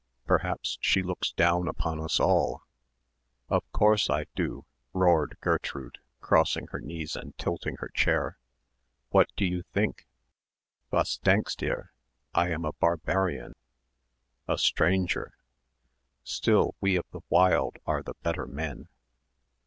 Perhaps she looks down upon us all." "Of course I do," roared Gertrude, crossing her knees and tilting her chair. "What do you think. Was denkt ihr? I am a barbarian." "A stranger." "Still we of the wild are the better men."